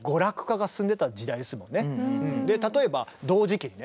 例えば同時期にね